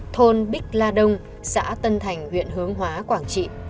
thôn bích la đông xã tân thành huyện hướng hóa quảng trị